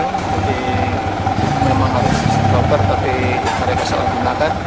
jadi memang harus dikoper tapi mereka salah menangkan